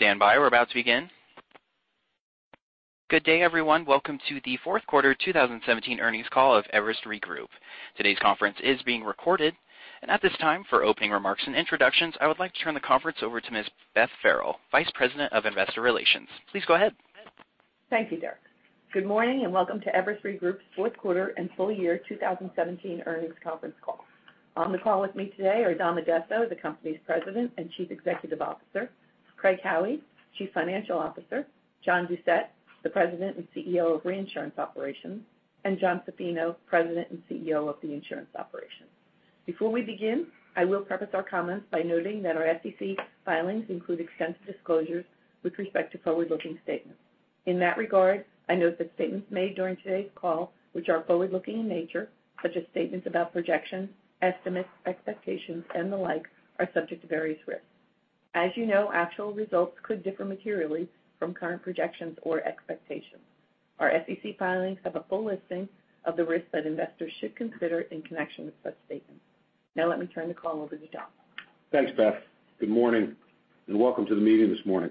Please stand by. We're about to begin. Good day, everyone. Welcome to the fourth quarter 2017 earnings call of Everest Re Group. Today's conference is being recorded, and at this time, for opening remarks and introductions, I would like to turn the conference over to Ms. Beth Farrell, Vice President of Investor Relations. Please go ahead. Thank you, Derek. Good morning, and welcome to Everest Re Group's fourth quarter and full year 2017 earnings conference call. On the call with me today are Dom Addesso, the company's President and Chief Executive Officer, Craig Howie, Chief Financial Officer, John Doucette, the President and CEO of Reinsurance Operations, and Jon Zaffino, President and CEO of the Insurance Operations. Before we begin, I will preface our comments by noting that our SEC filings include extensive disclosures with respect to forward-looking statements. In that regard, I note that statements made during today's call, which are forward-looking in nature, such as statements about projections, estimates, expectations, and the like, are subject to various risks. As you know, actual results could differ materially from current projections or expectations. Our SEC filings have a full listing of the risks that investors should consider in connection with such statements. Now let me turn the call over to Dom. Thanks, Beth. Good morning, and welcome to the meeting this morning.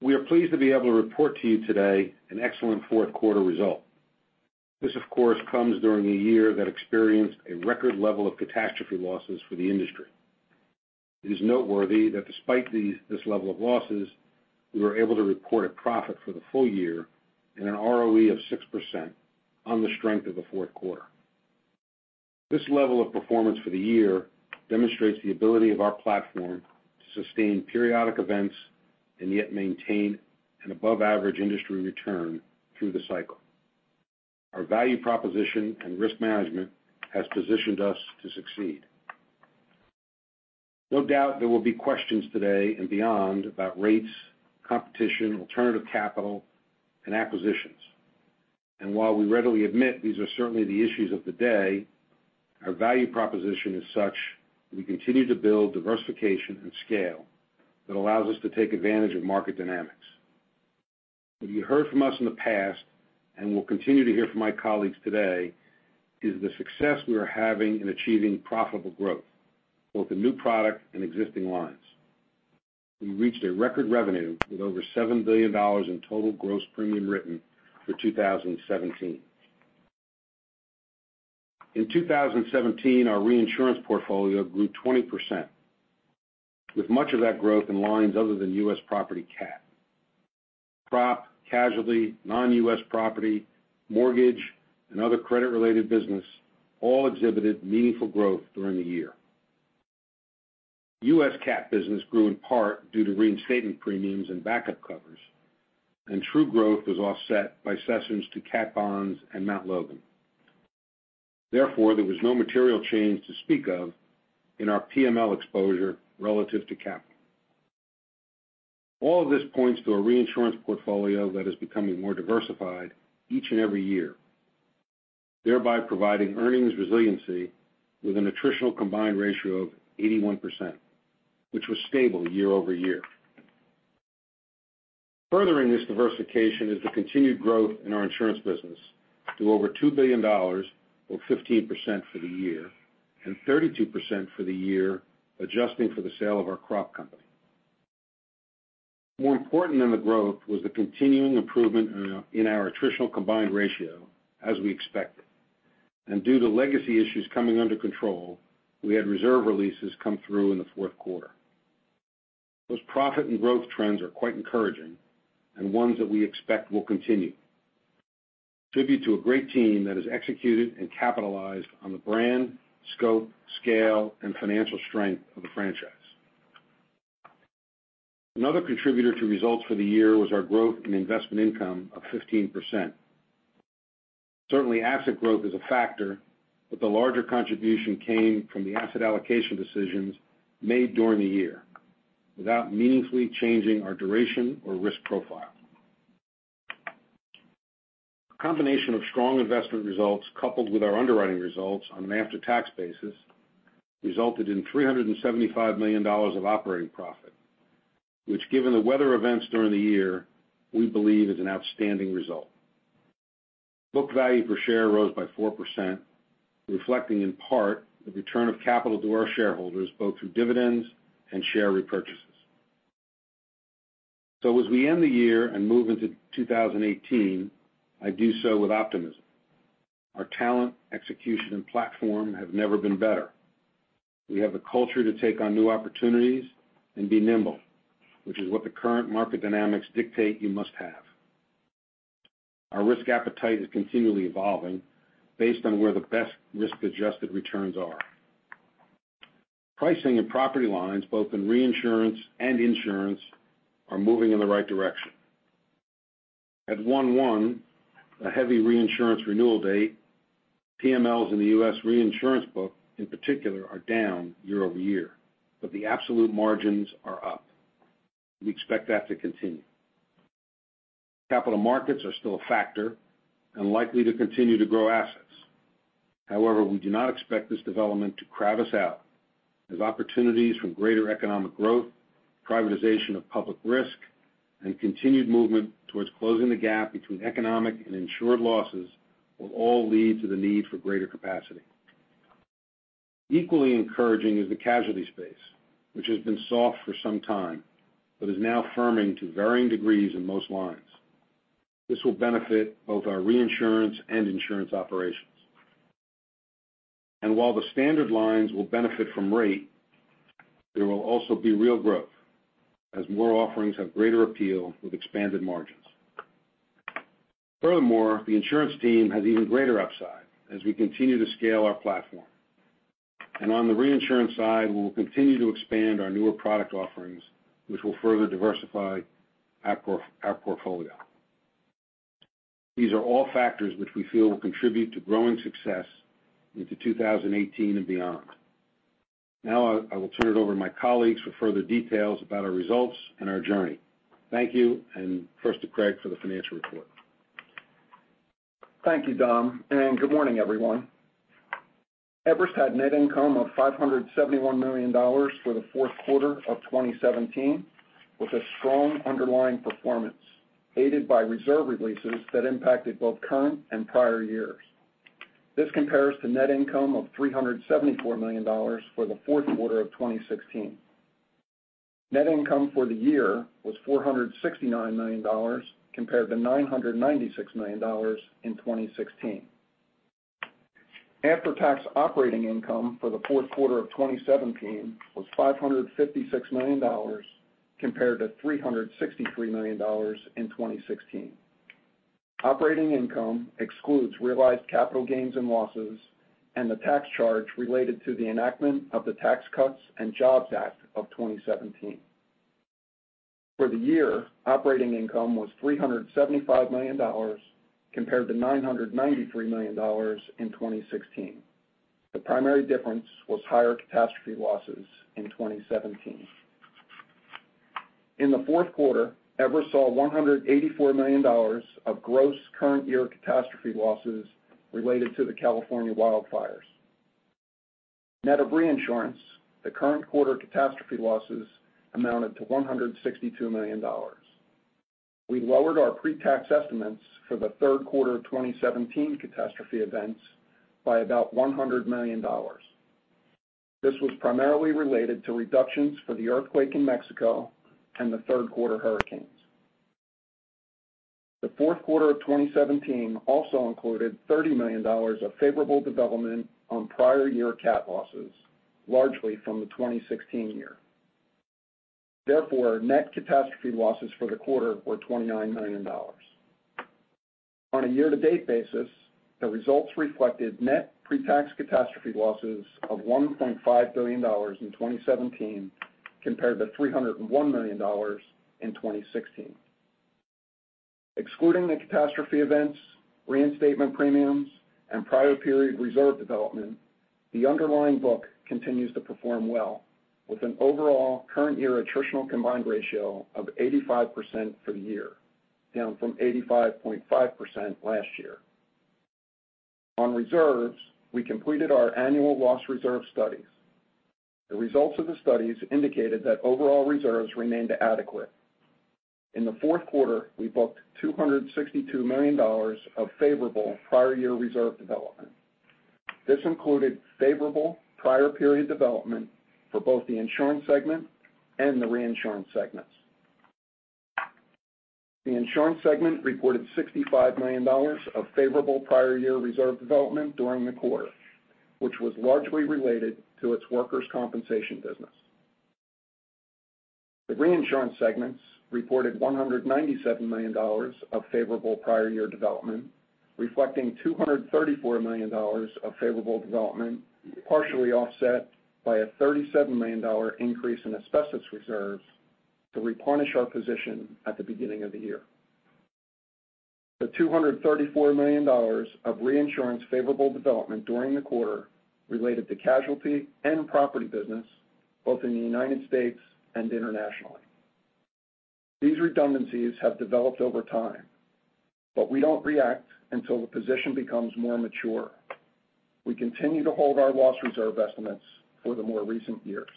We are pleased to be able to report to you today an excellent fourth quarter result. This, of course, comes during a year that experienced a record level of catastrophe losses for the industry. It is noteworthy that despite this level of losses, we were able to report a profit for the full year and an ROE of 6% on the strength of the fourth quarter. This level of performance for the year demonstrates the ability of our platform to sustain periodic events and yet maintain an above-average industry return through the cycle. Our value proposition and risk management has positioned us to succeed. No doubt there will be questions today and beyond about rates, competition, alternative capital, and acquisitions. While we readily admit these are certainly the issues of the day, our value proposition is such that we continue to build diversification and scale that allows us to take advantage of market dynamics. What you heard from us in the past, and will continue to hear from my colleagues today, is the success we are having in achieving profitable growth, both in new product and existing lines. We reached a record revenue with over $7 billion in total gross premium written for 2017. In 2017, our reinsurance portfolio grew 20%, with much of that growth in lines other than U.S. property Cat. Crop, casualty, non-U.S. property, mortgage, and other credit-related business all exhibited meaningful growth during the year. U.S. Cat business grew in part due to reinstatement premiums and backup covers, true growth was offset by cessions to cat bonds and Mount Logan. There was no material change to speak of in our PML exposure relative to capital. All of this points to a reinsurance portfolio that is becoming more diversified each and every year, thereby providing earnings resiliency with an attritional combined ratio of 81%, which was stable year-over-year. Furthering this diversification is the continued growth in our insurance business to over $2 billion or 15% for the year, 32% for the year, adjusting for the sale of our crop company. More important than the growth was the continuing improvement in our attritional combined ratio as we expected. Due to legacy issues coming under control, we had reserve releases come through in the fourth quarter. Those profit and growth trends are quite encouraging and ones that we expect will continue. Tribute to a great team that has executed and capitalized on the brand, scope, scale, and financial strength of the franchise. Another contributor to results for the year was our growth in investment income of 15%. Certainly, asset growth is a factor, but the larger contribution came from the asset allocation decisions made during the year without meaningfully changing our duration or risk profile. A combination of strong investment results coupled with our underwriting results on an after-tax basis resulted in $375 million of operating profit, which given the weather events during the year, we believe is an outstanding result. Book value per share rose by 4%, reflecting in part the return of capital to our shareholders, both through dividends and share repurchases. As we end the year and move into 2018, I do so with optimism. Our talent, execution, and platform have never been better. We have the culture to take on new opportunities and be nimble, which is what the current market dynamics dictate you must have. Our risk appetite is continually evolving based on where the best risk-adjusted returns are. Pricing and property lines, both in reinsurance and insurance, are moving in the right direction. At one-one, a heavy reinsurance renewal date, PMLs in the U.S. reinsurance book in particular are down year-over-year, but the absolute margins are up. We expect that to continue. Capital markets are still a factor and likely to continue to grow assets. We do not expect this development to crowd us out as opportunities from greater economic growth, privatization of public risk, and continued movement towards closing the gap between economic and insured losses will all lead to the need for greater capacity. Equally encouraging is the casualty space, which has been soft for some time, but is now firming to varying degrees in most lines. This will benefit both our reinsurance and insurance operations. While the standard lines will benefit from rate, there will also be real growth as more offerings have greater appeal with expanded margins. Furthermore, the insurance team has even greater upside as we continue to scale our platform. On the reinsurance side, we will continue to expand our newer product offerings, which will further diversify our portfolio. These are all factors which we feel will contribute to growing success into 2018 and beyond. Now, I will turn it over to my colleagues for further details about our results and our journey. Thank you, and first to Craig for the financial report. Thank you, Dom. Good morning, everyone. Everest had net income of $571 million for the fourth quarter of 2017, with a strong underlying performance, aided by reserve releases that impacted both current and prior years. This compares to net income of $374 million for the fourth quarter of 2016. Net income for the year was $469 million compared to $996 million in 2016. After-tax operating income for the fourth quarter of 2017 was $556 million compared to $363 million in 2016. Operating income excludes realized capital gains and losses and the tax charge related to the enactment of the Tax Cuts and Jobs Act of 2017. For the year, operating income was $375 million compared to $993 million in 2016. The primary difference was higher catastrophe losses in 2017. In the fourth quarter, Everest saw $184 million of gross current year catastrophe losses related to the California wildfires. Net of reinsurance, the current quarter catastrophe losses amounted to $162 million. We lowered our pre-tax estimates for the third quarter 2017 catastrophe events by about $100 million. This was primarily related to reductions for the earthquake in Mexico and the third quarter hurricanes. The fourth quarter of 2017 also included $30 million of favorable development on prior year cat losses, largely from the 2016 year. Therefore, net catastrophe losses for the quarter were $29 million. On a year-to-date basis, the results reflected net pre-tax catastrophe losses of $1.5 billion in 2017 compared to $301 million in 2016. Excluding the catastrophe events, reinstatement premiums, and prior period reserve development, the underlying book continues to perform well with an overall current year attritional combined ratio of 85% for the year, down from 85.5% last year. On reserves, we completed our annual loss reserve studies. The results of the studies indicated that overall reserves remained adequate. In the fourth quarter, we booked $262 million of favorable prior year reserve development. This included favorable prior period development for both the insurance segment and the reinsurance segments. The insurance segment reported $65 million of favorable prior year reserve development during the quarter, which was largely related to its workers' compensation business. The reinsurance segments reported $197 million of favorable prior year development, reflecting $234 million of favorable development, partially offset by a $37 million increase in asbestos reserves to replenish our position at the beginning of the year. The $234 million of reinsurance favorable development during the quarter related to casualty and property business both in the United States and internationally. These redundancies have developed over time, but we don't react until the position becomes more mature. We continue to hold our loss reserve estimates for the more recent years.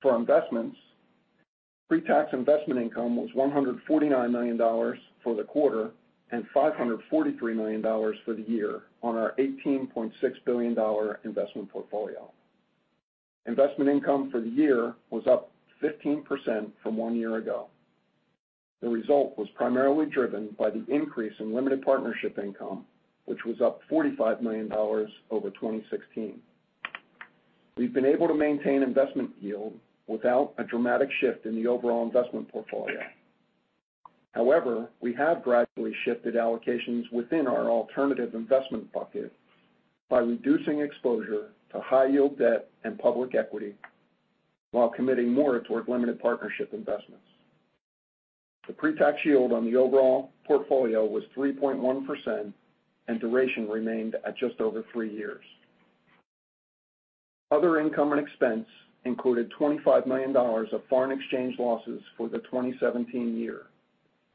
For investments, pre-tax investment income was $149 million for the quarter and $543 million for the year on our $18.6 billion investment portfolio. Investment income for the year was up 15% from one year ago. The result was primarily driven by the increase in limited partnership income, which was up $45 million over 2016. We've been able to maintain investment yield without a dramatic shift in the overall investment portfolio. However, we have gradually shifted allocations within our alternative investment bucket by reducing exposure to high-yield debt and public equity while committing more toward limited partnership investments. The pre-tax yield on the overall portfolio was 3.1%, and duration remained at just over three years. Other income and expense included $25 million of foreign exchange losses for the 2017 year,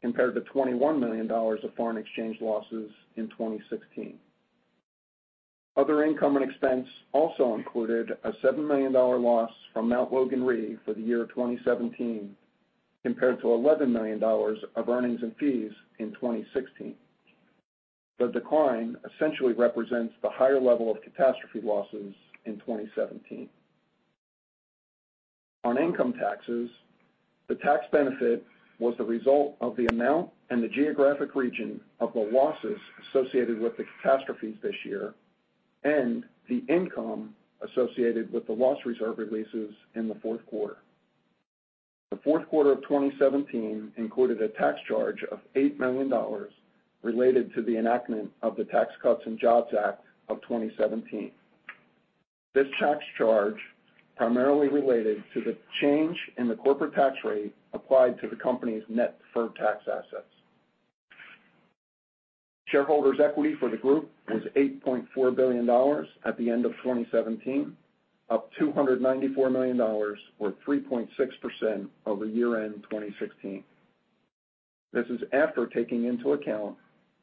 compared to $21 million of foreign exchange losses in 2016. Other income and expense also included a $7 million loss from Mount Logan Re for the year 2017. Compared to $11 million of earnings and fees in 2016. The decline essentially represents the higher level of catastrophe losses in 2017. On income taxes, the tax benefit was the result of the amount and the geographic region of the losses associated with the catastrophes this year and the income associated with the loss reserve releases in the fourth quarter. The fourth quarter of 2017 included a tax charge of $8 million related to the enactment of the Tax Cuts and Jobs Act of 2017. This tax charge primarily related to the change in the corporate tax rate applied to the company's net deferred tax assets. Shareholders' equity for the group was $8.4 billion at the end of 2017, up $294 million, or 3.6%, over year-end 2016. This is after taking into account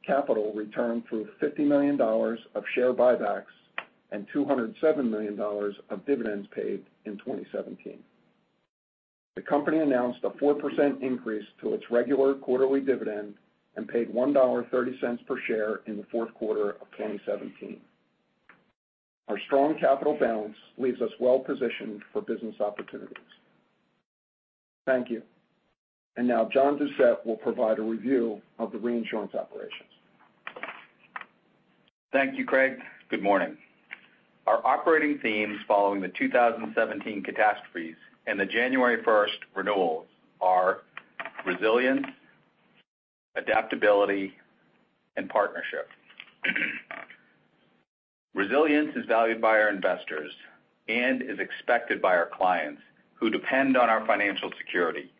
capital returned through $50 million of share buybacks and $207 million of dividends paid in 2017. The company announced a 4% increase to its regular quarterly dividend and paid $1.30 per share in the fourth quarter of 2017. Our strong capital balance leaves us well-positioned for business opportunities. Thank you. John Doucette will provide a review of the reinsurance operations. Thank you, Craig. Good morning. Our operating themes following the 2017 catastrophes and the January 1st renewals are resilience, adaptability, and partnership. Resilience is valued by our investors and is expected by our clients who depend on our financial security.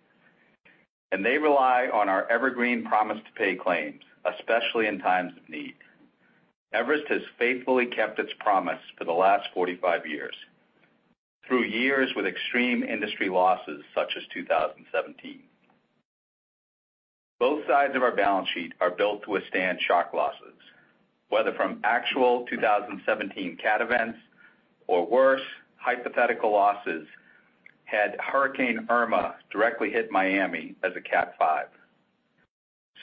They rely on our evergreen promise to pay claims, especially in times of need. Everest has faithfully kept its promise for the last 45 years, through years with extreme industry losses such as 2017. Both sides of our balance sheet are built to withstand shock losses, whether from actual 2017 cat events, or worse, hypothetical losses had Hurricane Irma directly hit Miami as a Cat 5.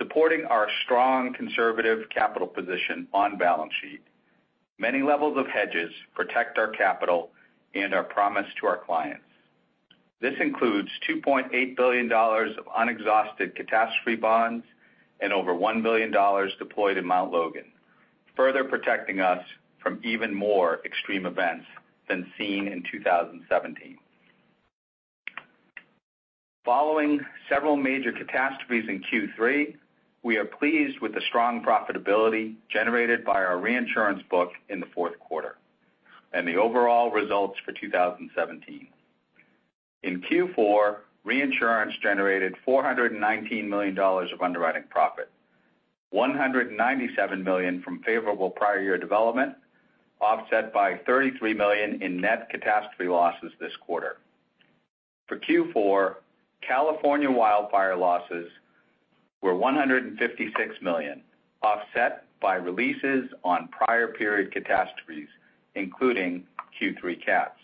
Supporting our strong conservative capital position on balance sheet, many levels of hedges protect our capital and our promise to our clients. This includes $2.8 billion of unexhausted catastrophe bonds and over $1 billion deployed in Mount Logan, further protecting us from even more extreme events than seen in 2017. Following several major catastrophes in Q3, we are pleased with the strong profitability generated by our reinsurance book in the fourth quarter and the overall results for 2017. In Q4, reinsurance generated $419 million of underwriting profit, $197 million from favorable prior year development, offset by $33 million in net catastrophe losses this quarter. For Q4, California wildfire losses were $156 million, offset by releases on prior period catastrophes, including Q3 cats.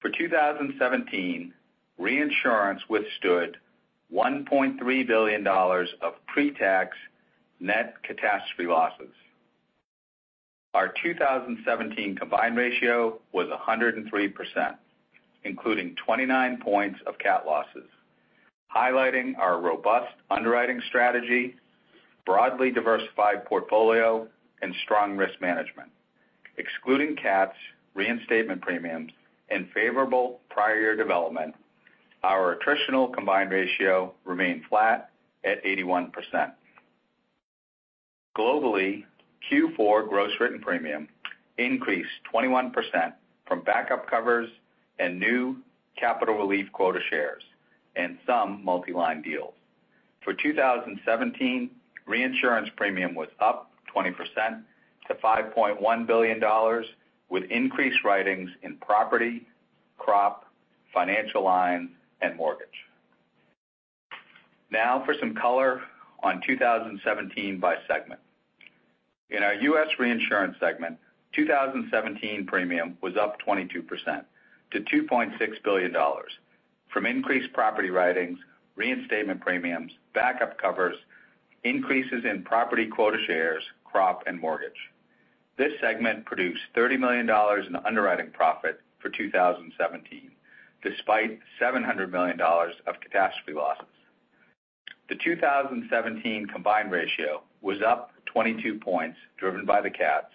For 2017, reinsurance withstood $1.3 billion of pre-tax net catastrophe losses. Our 2017 combined ratio was 103%, including 29 points of cat losses, highlighting our robust underwriting strategy, broadly diversified portfolio, and strong risk management. Excluding cats, reinstatement premiums, and favorable prior year development, our attritional combined ratio remained flat at 81%. Globally, Q4 gross written premium increased 21% from backup covers and new capital relief quota shares and some multi-line deals. For 2017, reinsurance premium was up 20% to $5.1 billion, with increased writings in property, crop, financial lines, and mortgage. For some color on 2017 by segment. In our U.S. reinsurance segment, 2017 premium was up 22% to $2.6 billion from increased property writings, reinstatement premiums, backup covers, increases in property quota shares, crop, and mortgage. This segment produced $30 million in underwriting profit for 2017, despite $700 million of catastrophe losses. The 2017 combined ratio was up 22 points driven by the cats,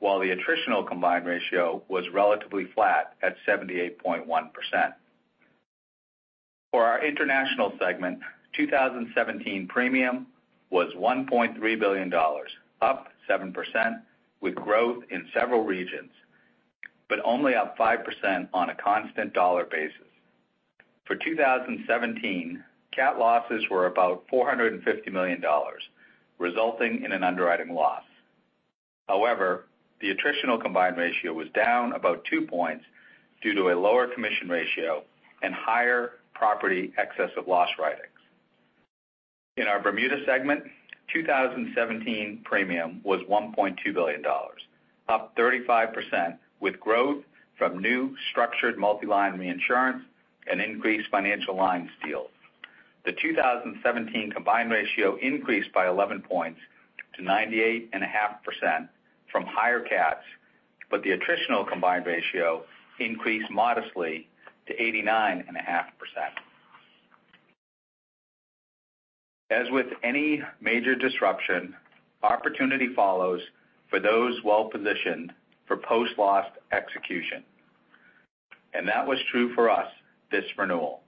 while the attritional combined ratio was relatively flat at 78.1%. For our international segment, 2017 premium was $1.3 billion, up 7% with growth in several regions, but only up 5% on a constant dollar basis. For 2017, cat losses were about $450 million, resulting in an underwriting loss. However, the attritional combined ratio was down about two points due to a lower commission ratio and higher property excess of loss writing. In our Bermuda segment, 2017 premium was $1.2 billion, up 35%, with growth from new structured multi-line reinsurance and increased financial lines deals. The 2017 combined ratio increased by 11 points to 98.5% from higher cats, but the attritional combined ratio increased modestly to 89.5%. As with any major disruption, opportunity follows for those well-positioned for post-loss execution, and that was true for us this renewal.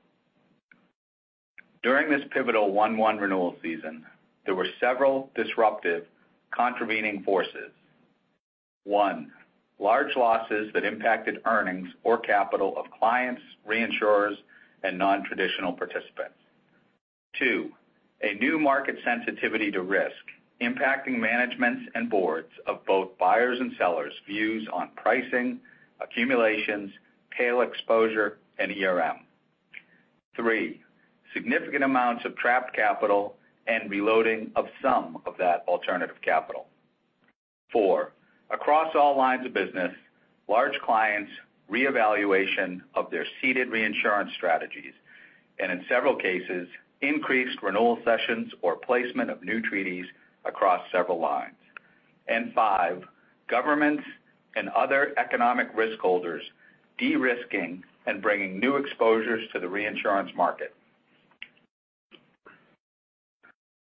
During this pivotal one-one renewal season, there were several disruptive contravening forces. One, large losses that impacted earnings or capital of clients, reinsurers, and non-traditional participants. Two, a new market sensitivity to risk impacting managements and boards of both buyers and sellers' views on pricing, accumulations, tail exposure, and ERM. Three, significant amounts of trapped capital and reloading of some of that alternative capital. Four, across all lines of business, large clients reevaluation of their ceded reinsurance strategies and, in several cases, increased renewal sessions or placement of new treaties across several lines. Five, governments and other economic risk holders de-risking and bringing new exposures to the reinsurance market.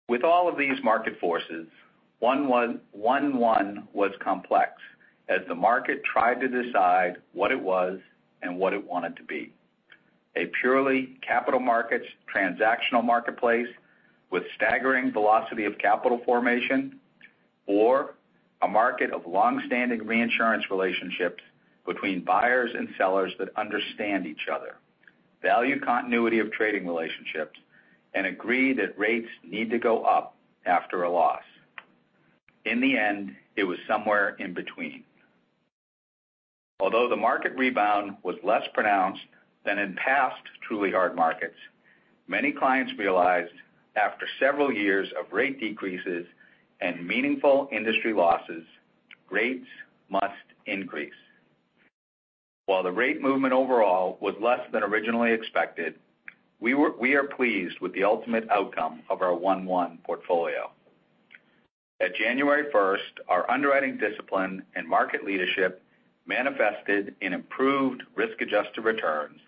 With all of these market forces, one-one was complex as the market tried to decide what it was and what it wanted to be. A purely capital markets transactional marketplace with staggering velocity of capital formation, or a market of longstanding reinsurance relationships between buyers and sellers that understand each other, value continuity of trading relationships, and agree that rates need to go up after a loss. In the end, it was somewhere in between. Although the market rebound was less pronounced than in past truly hard markets, many clients realized after several years of rate decreases and meaningful industry losses, rates must increase. While the rate movement overall was less than originally expected, we are pleased with the ultimate outcome of our one-one portfolio. At January 1st, our underwriting discipline and market leadership manifested in improved risk-adjusted returns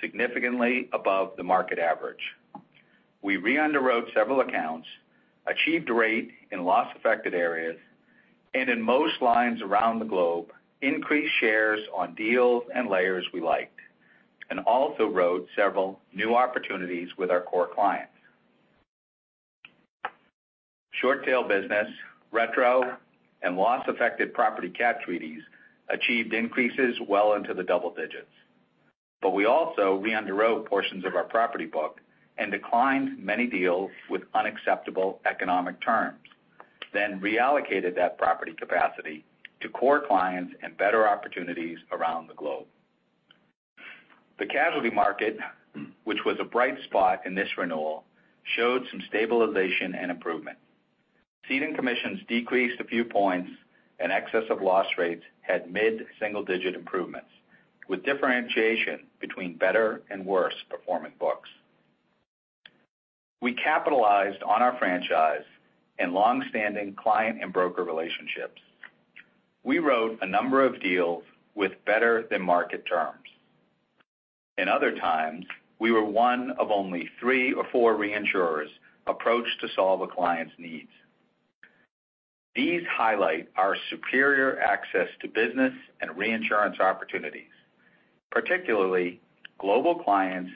significantly above the market average. We re-underwrote several accounts, achieved rate in loss-affected areas, and in most lines around the globe, increased shares on deals and layers we liked, and also wrote several new opportunities with our core clients. Short tail business, retro, and loss-affected property cat treaties achieved increases well into the double digits. We also re-underwrote portions of our property book and declined many deals with unacceptable economic terms. Reallocated that property capacity to core clients and better opportunities around the globe. The casualty market, which was a bright spot in this renewal, showed some stabilization and improvement. Ceding commissions decreased a few points and excess of loss rates had mid-single-digit improvements, with differentiation between better and worse performing books. We capitalized on our franchise and long-standing client and broker relationships. We wrote a number of deals with better than market terms. In other times, we were one of only three or four reinsurers approached to solve a client's needs. These highlight our superior access to business and reinsurance opportunities. Particularly, global clients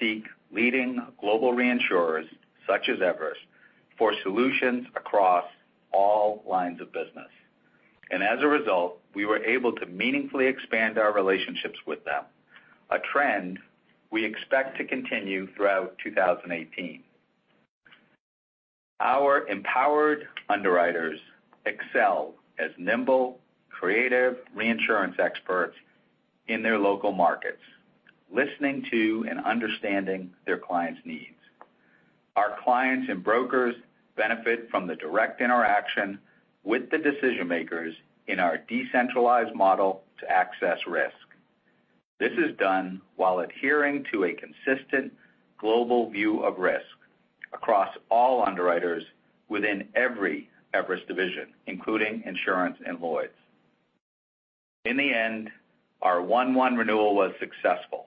seek leading global reinsurers such as Everest for solutions across all lines of business, and as a result, we were able to meaningfully expand our relationships with them, a trend we expect to continue throughout 2018. Our empowered underwriters excel as nimble, creative reinsurance experts in their local markets, listening to and understanding their clients' needs. Our clients and brokers benefit from the direct interaction with the decision makers in our decentralized model to access risk. This is done while adhering to a consistent global view of risk across all underwriters within every Everest division, including insurance and Lloyd's. In the end, our one-one renewal was successful.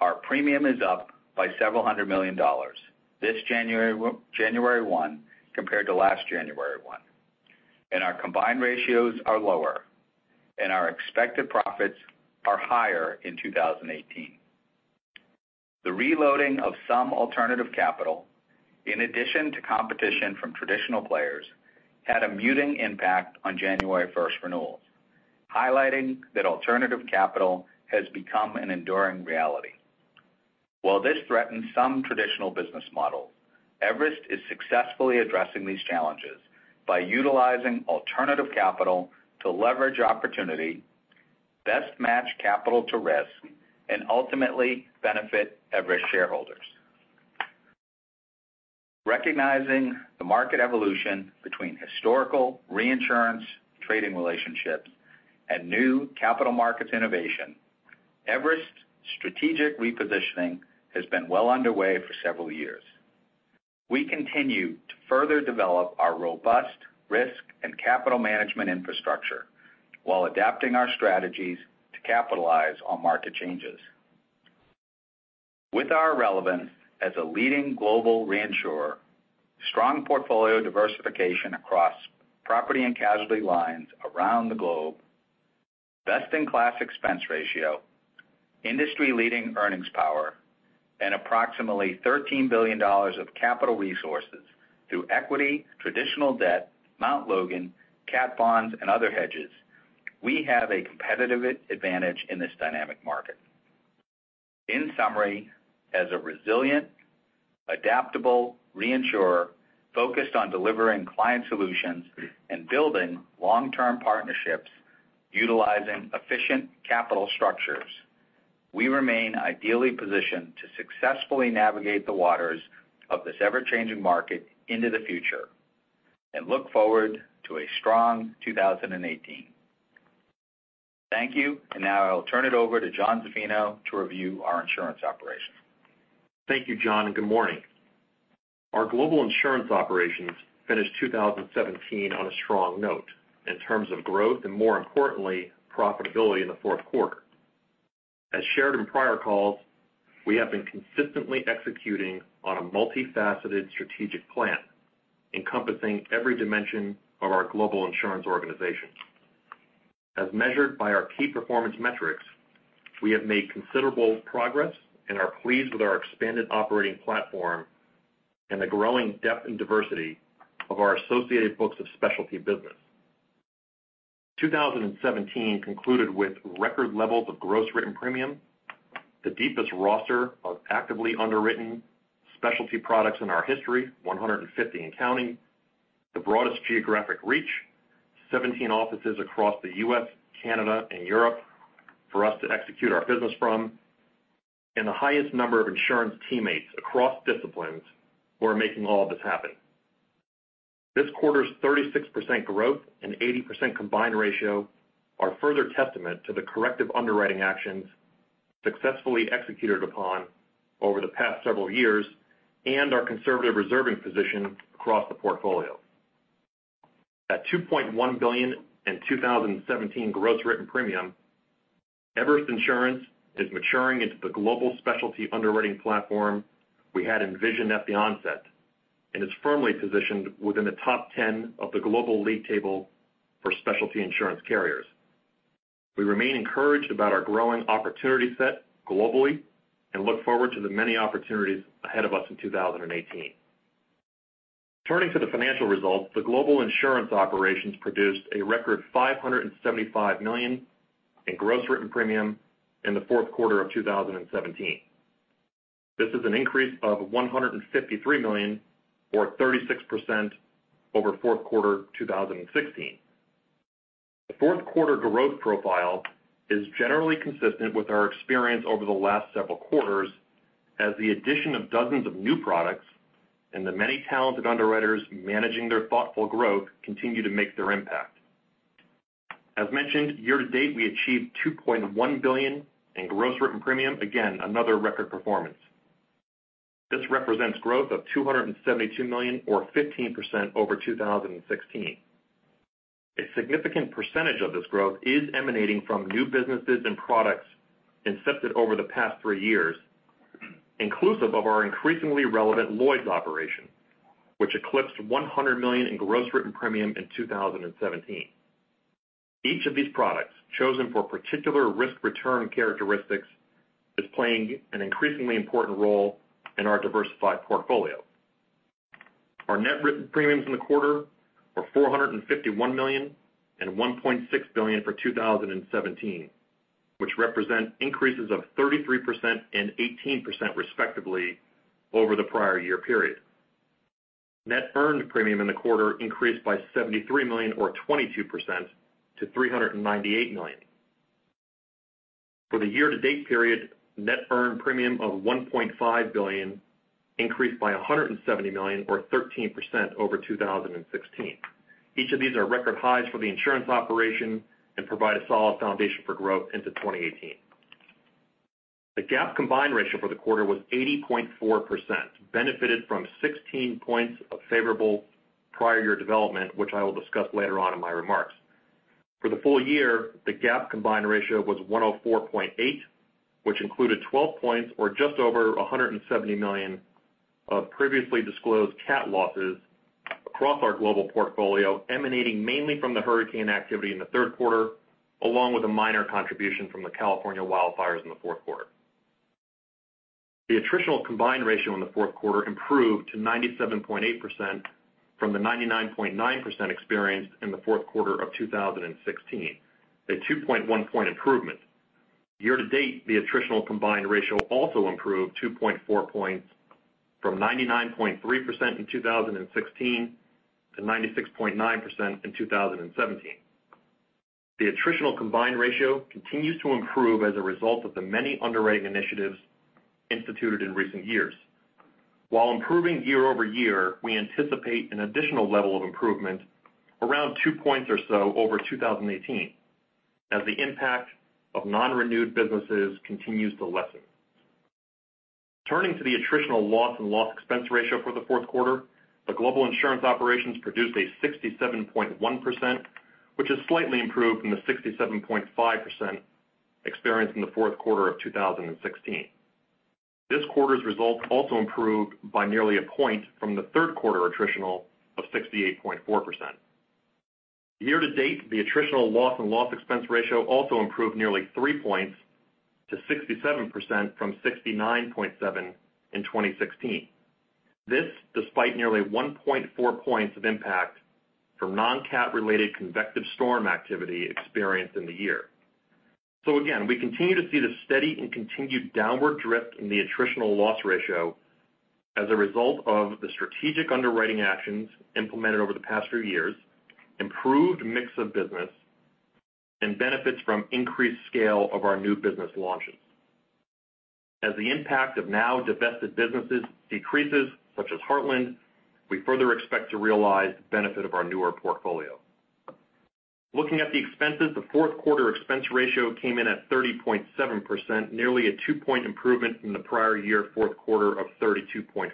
Our premium is up by several hundred million dollars this January 1 compared to last January 1. Our combined ratios are lower. Our expected profits are higher in 2018. The reloading of some alternative capital, in addition to competition from traditional players, had a muting impact on January 1st renewals, highlighting that alternative capital has become an enduring reality. While this threatens some traditional business models, Everest is successfully addressing these challenges by utilizing alternative capital to leverage opportunity Best match capital to risk, and ultimately benefit Everest shareholders. Recognizing the market evolution between historical reinsurance trading relationships and new capital markets innovation, Everest's strategic repositioning has been well underway for several years. We continue to further develop our robust risk and capital management infrastructure while adapting our strategies to capitalize on market changes. With our relevance as a leading global reinsurer, strong portfolio diversification across property and casualty lines around the globe, best-in-class expense ratio, industry-leading earnings power, and approximately $13 billion of capital resources through equity, traditional debt, Mount Logan, cat bonds, and other hedges, we have a competitive advantage in this dynamic market. In summary, as a resilient, adaptable reinsurer focused on delivering client solutions and building long-term partnerships, utilizing efficient capital structures, we remain ideally positioned to successfully navigate the waters of this ever-changing market into the future and look forward to a strong 2018. Thank you. I will turn it over to Jon Zaffino to review our insurance operations. Thank you, John, good morning. Our global insurance operations finished 2017 on a strong note in terms of growth and, more importantly, profitability in the fourth quarter. As shared in prior calls, we have been consistently executing on a multifaceted strategic plan encompassing every dimension of our global insurance organization. As measured by our key performance metrics, we have made considerable progress and are pleased with our expanded operating platform and the growing depth and diversity of our associated books of specialty business. 2017 concluded with record levels of gross written premium, the deepest roster of actively underwritten specialty products in our history, 150 and counting, the broadest geographic reach, 17 offices across the U.S., Canada, and Europe for us to execute our business from, and the highest number of insurance teammates across disciplines who are making all of this happen. This quarter's 36% growth and 80% combined ratio are further testament to the corrective underwriting actions successfully executed upon over the past several years and our conservative reserving position across the portfolio. At $2.1 billion in 2017 gross written premium, Everest Insurance is maturing into the global specialty underwriting platform we had envisioned at the onset and is firmly positioned within the top 10 of the global league table for specialty insurance carriers. We remain encouraged about our growing opportunity set globally and look forward to the many opportunities ahead of us in 2018. Turning to the financial results, the global insurance operations produced a record $575 million in gross written premium in the fourth quarter of 2017. This is an increase of $153 million or 36% over fourth quarter 2016. The fourth quarter growth profile is generally consistent with our experience over the last several quarters as the addition of dozens of new products and the many talented underwriters managing their thoughtful growth continue to make their impact. As mentioned, year-to-date, we achieved $2.1 billion in gross written premium. Again, another record performance. This represents growth of $272 million or 15% over 2016. A significant percentage of this growth is emanating from new businesses and products incepted over the past three years, inclusive of our increasingly relevant Lloyd's operation, which eclipsed $100 million in gross written premium in 2017. Each of these products, chosen for particular risk-return characteristics, is playing an increasingly important role in our diversified portfolio. Our net written premiums in the quarter were $451 million and $1.6 billion for 2017, which represent increases of 33% and 18%, respectively, over the prior year period. Net earned premium in the quarter increased by $73 million or 22% to $398 million. For the year-to-date period, net earned premium of $1.5 billion increased by $170 million or 13% over 2016. Each of these are record highs for the insurance operation and provide a solid foundation for growth into 2018. The GAAP combined ratio for the quarter was 80.4%, benefited from 16 points of favorable prior year development, which I will discuss later on in my remarks. For the full year, the GAAP combined ratio was 104.8%, which included 12 points or just over $170 million of previously disclosed cat losses across our global portfolio, emanating mainly from the hurricane activity in the third quarter, along with a minor contribution from the California wildfires in the fourth quarter. The attritional combined ratio in the fourth quarter improved to 97.8% from the 99.9% experienced in the fourth quarter of 2016, a 2.1 point improvement. Year-to-date, the attritional combined ratio also improved 2.4 points from 99.3% in 2016 to 96.9% in 2017. The attritional combined ratio continues to improve as a result of the many underwriting initiatives instituted in recent years. While improving year-over-year, we anticipate an additional level of improvement around two points or so over 2018 as the impact of non-renewed businesses continues to lessen. Turning to the attritional loss and loss expense ratio for the fourth quarter, the global insurance operations produced a 67.1%, which is slightly improved from the 67.5% experienced in the fourth quarter of 2016. This quarter's results also improved by nearly a point from the third quarter attritional of 68.4%. Year-to-date, the attritional loss and loss expense ratio also improved nearly three points to 67% from 69.7% in 2016. This, despite nearly 1.4 points of impact from non-cat-related convective storm activity experienced in the year. Again, we continue to see the steady and continued downward drift in the attritional loss ratio as a result of the strategic underwriting actions implemented over the past few years, improved mix of business, and benefits from increased scale of our new business launches. As the impact of now-divested businesses decreases, such as Heartland, we further expect to realize the benefit of our newer portfolio. Looking at the expenses, the fourth quarter expense ratio came in at 30.7%, nearly a two-point improvement from the prior year fourth quarter of 32.4%.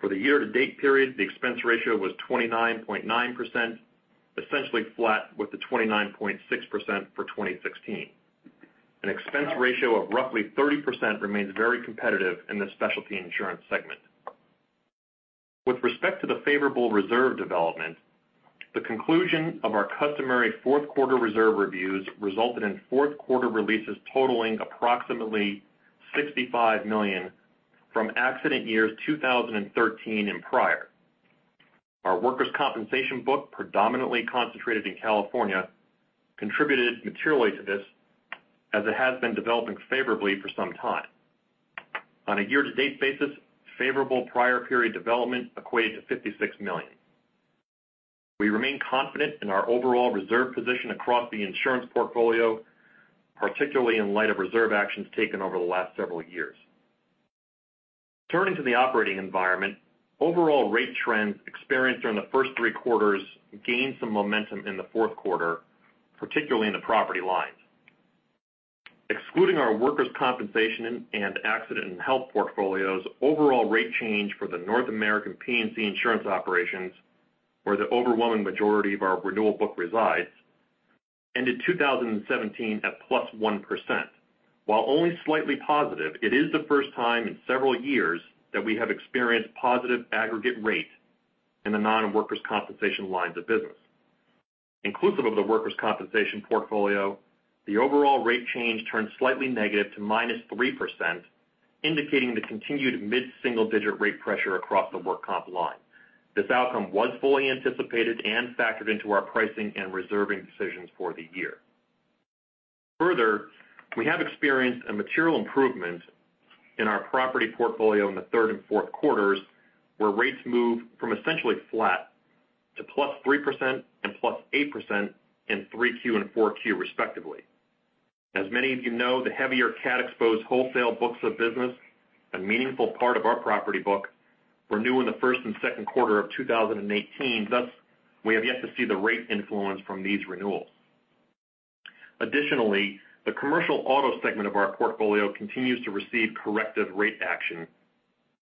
For the year-to-date period, the expense ratio was 29.9%, essentially flat with the 29.6% for 2016. An expense ratio of roughly 30% remains very competitive in the specialty insurance segment. With respect to the favorable reserve development, the conclusion of our customary fourth quarter reserve reviews resulted in fourth quarter releases totaling approximately $65 million from accident years 2013 and prior. Our workers' compensation book, predominantly concentrated in California, contributed materially to this, as it has been developing favorably for some time. On a year-to-date basis, favorable prior period development equates to $56 million. We remain confident in our overall reserve position across the insurance portfolio, particularly in light of reserve actions taken over the last several years. Turning to the operating environment, overall rate trends experienced during the first three quarters gained some momentum in the fourth quarter, particularly in the property lines. Excluding our workers' compensation and accident and health portfolios, overall rate change for the North American P&C insurance operations, where the overwhelming majority of our renewal book resides, ended 2017 at +1%. While only slightly positive, it is the first time in several years that we have experienced positive aggregate rate in the non-workers' compensation lines of business. Inclusive of the workers' compensation portfolio, the overall rate change turned slightly negative to -3%, indicating the continued mid-single-digit rate pressure across the work comp line. This outcome was fully anticipated and factored into our pricing and reserving decisions for the year. Further, we have experienced a material improvement in our property portfolio in the third and fourth quarters, where rates moved from essentially flat to +3% and +8% in Q3 and Q4 respectively. As many of you know, the heavier cat-exposed wholesale books of business, a meaningful part of our property book, renew in the first and second quarter of 2018. Thus, we have yet to see the rate influence from these renewals. Additionally, the commercial auto segment of our portfolio continues to receive corrective rate action,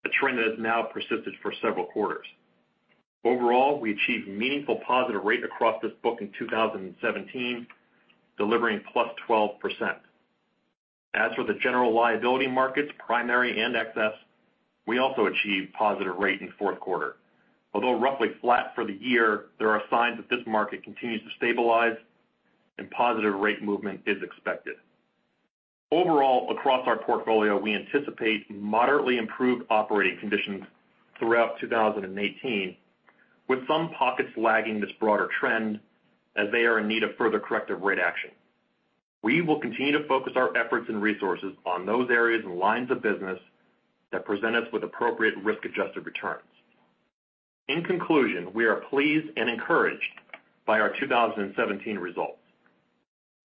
a trend that has now persisted for several quarters. Overall, we achieved meaningful positive rate across this book in 2017, delivering +12%. As for the general liability markets, primary and excess, we also achieved positive rate in Q4. Although roughly flat for the year, there are signs that this market continues to stabilize and positive rate movement is expected. Overall, across our portfolio, we anticipate moderately improved operating conditions throughout 2018, with some pockets lagging this broader trend, as they are in need of further corrective rate action. We will continue to focus our efforts and resources on those areas and lines of business that present us with appropriate risk-adjusted returns. In conclusion, we are pleased and encouraged by our 2017 results.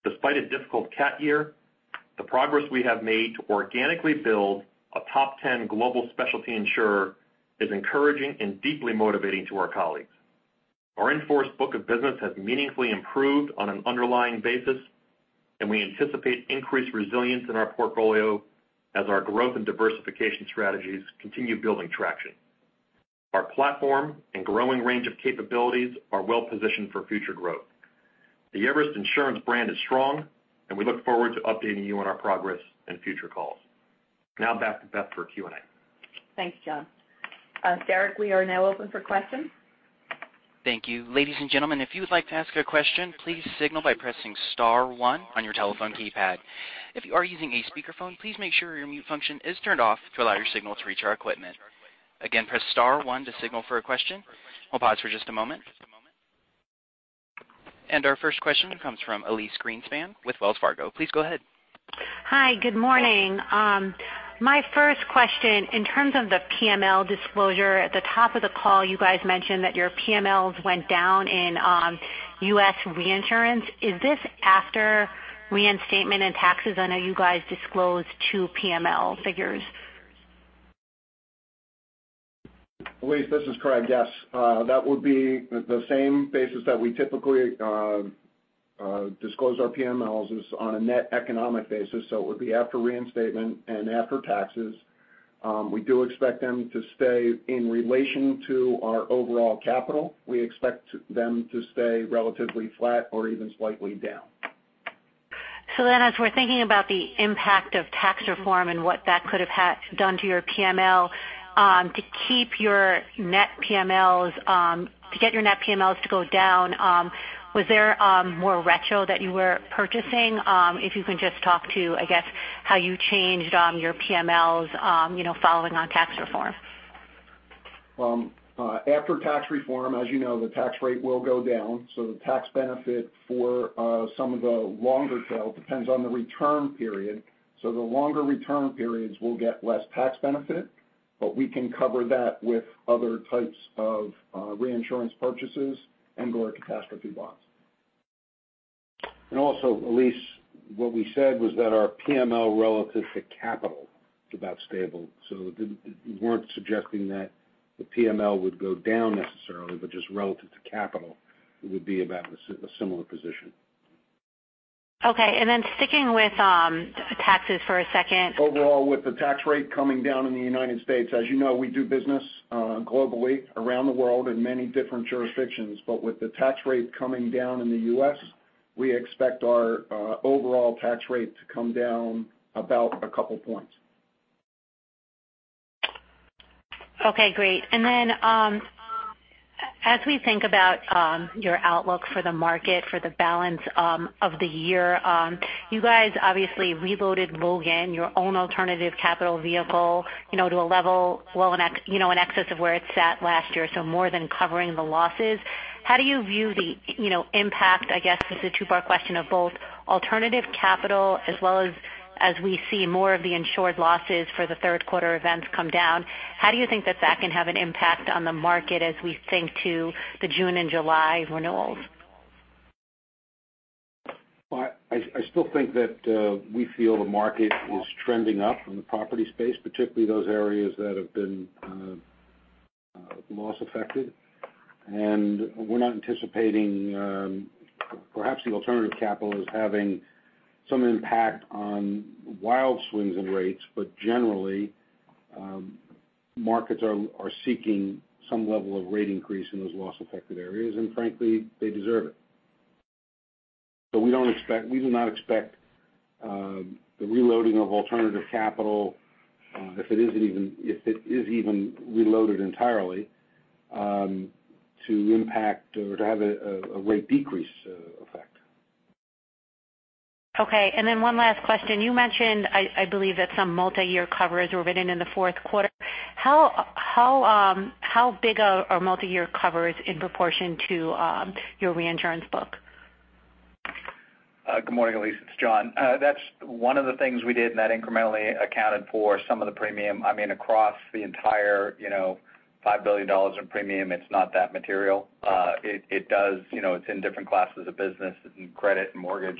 Despite a difficult cat year, the progress we have made to organically build a top 10 global specialty insurer is encouraging and deeply motivating to our colleagues. Our in-force book of business has meaningfully improved on an underlying basis, and we anticipate increased resilience in our portfolio as our growth and diversification strategies continue building traction. Our platform and growing range of capabilities are well positioned for future growth. The Everest Insurance brand is strong, and we look forward to updating you on our progress in future calls. Now back to Beth for Q&A. Thanks, John. Derek, we are now open for questions. Thank you. Ladies and gentlemen, if you would like to ask a question, please signal by pressing *1 on your telephone keypad. If you are using a speakerphone, please make sure your mute function is turned off to allow your signal to reach our equipment. Again, press *1 to signal for a question. We'll pause for just a moment. Our first question comes from Elyse Greenspan with Wells Fargo. Please go ahead. Hi. Good morning. My first question, in terms of the PML disclosure, at the top of the call, you guys mentioned that your PMLs went down in U.S. reinsurance. Is this after reinstatement and taxes? I know you guys disclosed two PML figures. Elyse, this is Craig. Yes. That would be the same basis that we typically disclose our PMLs is on a net economic basis, so it would be after reinstatement and after taxes. We do expect them to stay in relation to our overall capital. We expect them to stay relatively flat or even slightly down. As we're thinking about the impact of Tax reform and what that could have done to your PML, to get your net PMLs to go down, was there more retrocession that you were purchasing? If you can just talk to, I guess, how you changed your PMLs following on Tax reform. After tax reform, as you know, the tax rate will go down. The tax benefit for some of the longer tail depends on the return period, so the longer return periods will get less tax benefit, but we can cover that with other types of reinsurance purchases and/or catastrophe bonds. Also, Elyse, what we said was that our PML relative to capital is about stable. We weren't suggesting that the PML would go down necessarily, but just relative to capital, it would be about a similar position. Okay. Sticking with taxes for a second. Overall, with the tax rate coming down in the U.S., as you know, we do business globally around the world in many different jurisdictions. With the tax rate coming down in the U.S., we expect our overall tax rate to come down about a couple of points. Okay, great. As we think about your outlook for the market for the balance of the year, you guys obviously reloaded Logan, your own alternative capital vehicle, to a level in excess of where it sat last year, so more than covering the losses. How do you view the impact, I guess this is a two-part question, of both alternative capital as well as we see more of the insured losses for the third quarter events come down. How do you think that can have an impact on the market as we think to the June and July renewals? I still think that we feel the market is trending up in the property space, particularly those areas that have been loss affected. We're not anticipating perhaps the alternative capital is having some impact on wild swings in rates, but generally, markets are seeking some level of rate increase in those loss-affected areas, and frankly, they deserve it. We do not expect the reloading of alternative capital, if it is even reloaded entirely, to impact or to have a rate decrease effect. Okay. One last question. You mentioned, I believe, that some multi-year covers were written in the fourth quarter. How big are multi-year covers in proportion to your reinsurance book? Good morning, Elyse. It's John. That's one of the things we did, that incrementally accounted for some of the premium. I mean, across the entire $5 billion in premium, it's not that material. It's in different classes of business, in credit and mortgage,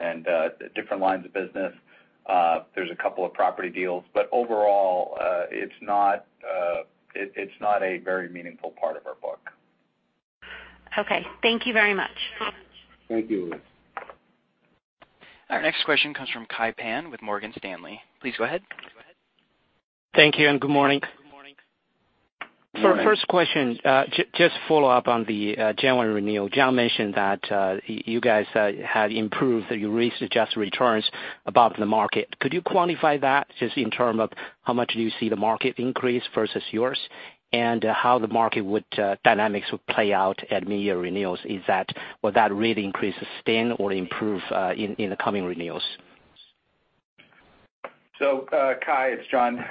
and different lines of business. There's a couple of property deals. Overall, it's not a very meaningful part of our book. Okay. Thank you very much. Thank you, Elyse. Our next question comes from Kai Pan with Morgan Stanley. Please go ahead. Thank you. Good morning. Good morning. First question, just follow up on the January renewal. John mentioned that you guys had improved your rate-adjusted returns above the market. Could you quantify that just in terms of how much do you see the market increase versus yours? How the market dynamics would play out at mid-year renewals? Will that really increase, sustain, or improve in the coming renewals? Kai, it's John.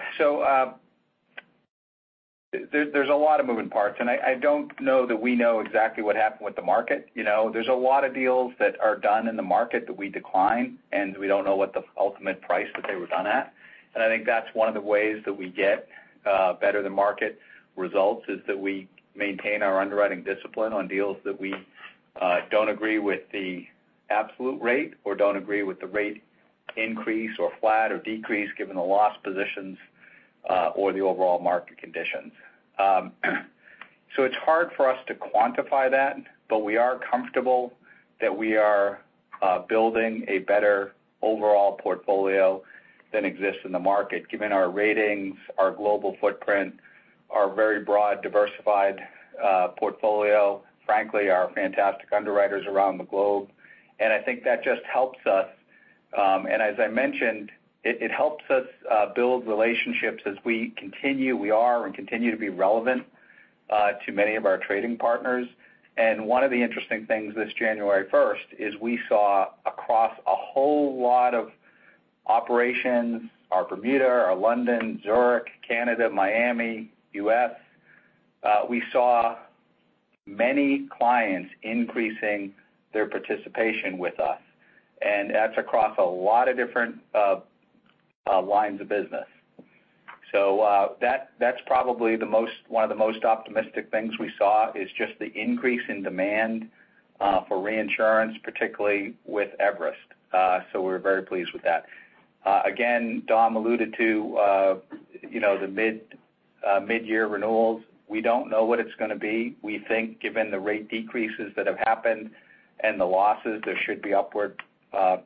There's a lot of moving parts, I don't know that we know exactly what happened with the market. There's a lot of deals that are done in the market that we decline, we don't know what the ultimate price that they were done at. I think that's one of the ways that we get better-than-market results, is that we maintain our underwriting discipline on deals that we don't agree with the absolute rate or don't agree with the rate increase or flat or decrease given the loss positions or the overall market conditions. It's hard for us to quantify that, but we are comfortable that we are building a better overall portfolio than exists in the market given our ratings, our global footprint, our very broad, diversified portfolio, frankly, our fantastic underwriters around the globe. I think that just helps us. As I mentioned, it helps us build relationships as we continue. We are and continue to be relevant to many of our trading partners. One of the interesting things this January 1st is we saw across a whole lot of Operations, our Bermuda, our London, Zurich, Canada, Miami, U.S., we saw many clients increasing their participation with us, and that's across a lot of different lines of business. That's probably one of the most optimistic things we saw is just the increase in demand for reinsurance, particularly with Everest. We're very pleased with that. Again, Dom alluded to the mid-year renewals. We don't know what it's going to be. We think given the rate decreases that have happened and the losses, there should be upward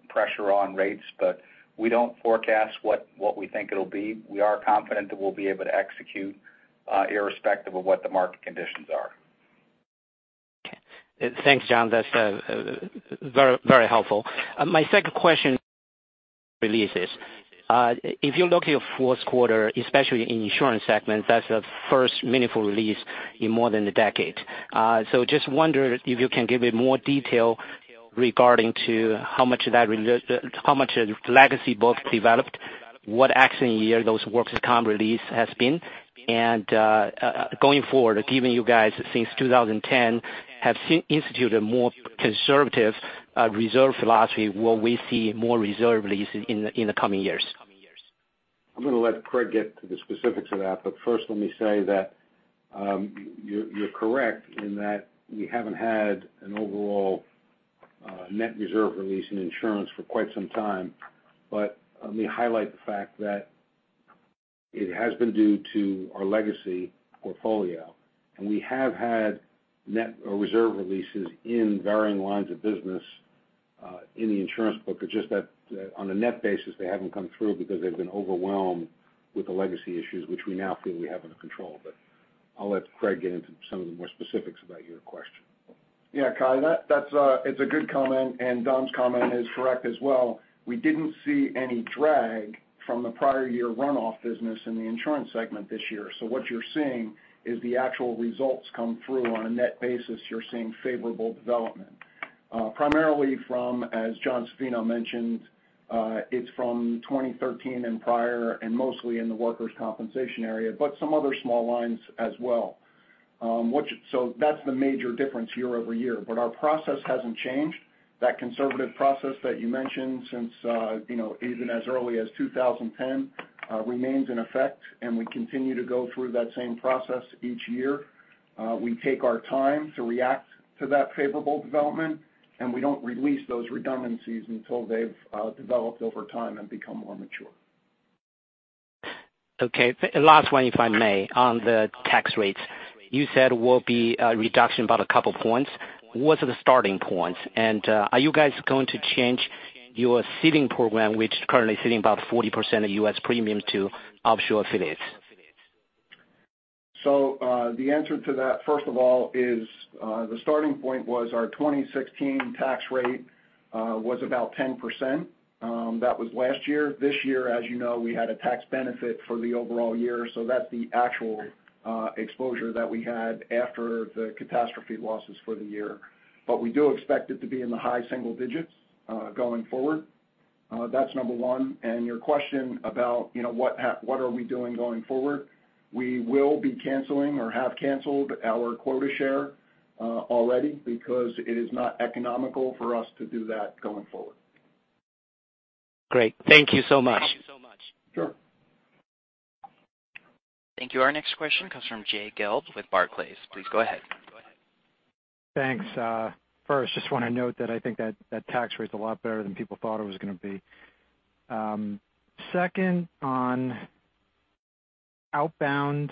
pressure on rates, but we don't forecast what we think it'll be. We are confident that we'll be able to execute, irrespective of what the market conditions are. Okay. Thanks, John. That's very helpful. My second question releases. If you look at your fourth quarter, especially in Insurance segment, that's the first meaningful release in more than a decade. Just wonder if you can give a more detail regarding to how much of legacy book developed, what accident year those workers' comp release has been, and going forward, given you guys since 2010, have instituted a more conservative reserve philosophy, will we see more reserve releases in the coming years? I'm going to let Craig get to the specifics of that. First, let me say that you're correct in that we haven't had an overall net reserve release in insurance for quite some time. Let me highlight the fact that it has been due to our legacy portfolio, and we have had net or reserve releases in varying lines of business in the insurance book. It's just that on a net basis, they haven't come through because they've been overwhelmed with the legacy issues, which we now feel we have under control. I'll let Craig get into some of the more specifics about your question. Yeah, Kai, it's a good comment, and Dom's comment is correct as well. We didn't see any drag from the prior year runoff business in the Insurance segment this year. What you're seeing is the actual results come through on a net basis. You're seeing favorable development. Primarily from, as Jon Zaffino mentioned, it's from 2013 and prior, and mostly in the workers' compensation area, but some other small lines as well. That's the major difference year-over-year. Our process hasn't changed. That conservative process that you mentioned since even as early as 2010 remains in effect, and we continue to go through that same process each year. We take our time to react to that favorable development, and we don't release those redundancies until they've developed over time and become more mature. Okay. Last one, if I may, on the tax rates. You said will be a reduction about a couple points. What's the starting points? Are you guys going to change your ceding program, which is currently ceding about 40% of U.S. premiums to offshore affiliates? The answer to that, first of all, is the starting point was our 2016 tax rate was about 10%. That was last year. This year, as you know, we had a tax benefit for the overall year, so that's the actual exposure that we had after the catastrophe losses for the year. We do expect it to be in the high single digits going forward. That's number 1. Your question about what are we doing going forward, we will be canceling or have canceled our quota share already because it is not economical for us to do that going forward. Great. Thank you so much. Sure. Thank you. Our next question comes from Jay Gelb with Barclays. Please go ahead. Thanks. First, just want to note that I think that tax rate's a lot better than people thought it was going to be. Second, on outbound